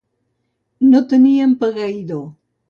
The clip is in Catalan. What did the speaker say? No tenir empegueïdor.